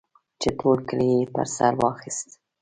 چې ټول کلی یې په سر واخیست.